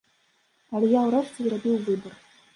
Але я ўрэшце зрабіў выбар.